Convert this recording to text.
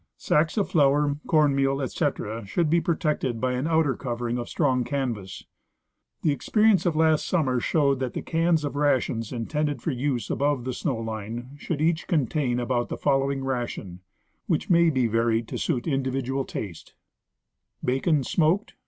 Sacks of flour, corn meal, etc., sh ould be protected by an outer covering of strong canvas. The expe rience of last summer showed that the cans of rations intended for use above the snow line should each contain about the fol lowing ration, which may be varied to suit individual taste : Bacon, smoked